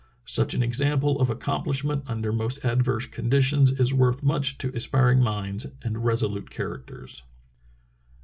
Such an example of accomplishment under most adverse conditions is worth much to aspiring minds and resolute characters.